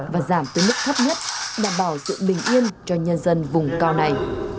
và giảm tới mức thấp nhất đảm bảo sự bình yên cho nhân dân vùng cao này